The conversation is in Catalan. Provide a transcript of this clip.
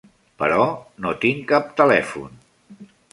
Però no tinc cap telèfon.